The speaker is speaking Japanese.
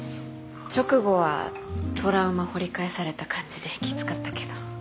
直後はトラウマ掘り返された感じできつかったけど。